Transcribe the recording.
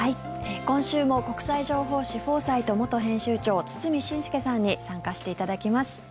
今週も国際情報誌「フォーサイト」元編集長堤伸輔さんに参加していただきます。